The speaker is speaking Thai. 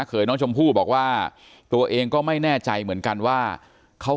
เขยน้องชมพู่บอกว่าตัวเองก็ไม่แน่ใจเหมือนกันว่าเขา